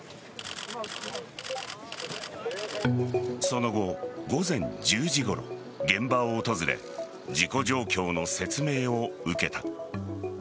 その後、午前１０時ごろ現場を訪れ事故状況の説明を受けた。